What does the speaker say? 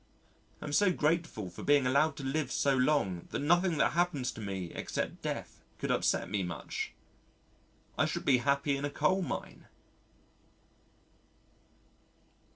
I am so grateful for being allowed to live so long that nothing that happens to me except death could upset me much. I should be happy in a coal mine.